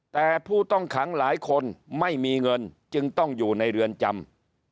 แต่ผู้ต้องขังหลายคนไม่มีเงินจึงต้องอยู่ในเรือนจำ